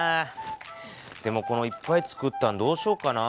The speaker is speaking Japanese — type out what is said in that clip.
でもこのいっぱいつくったんどうしよっかな。